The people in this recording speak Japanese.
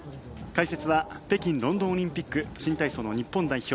解説は北京・ロンドンオリンピック新体操の日本代表